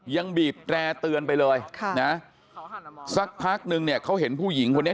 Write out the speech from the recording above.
บีบแตร่เตือนไปเลยค่ะนะสักพักนึงเนี่ยเขาเห็นผู้หญิงคนนี้